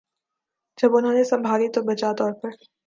جب انہوں نے سنبھالی تو بجا طور پہ